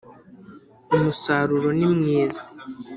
umusaruro ni mwiza